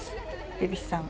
蛭子さん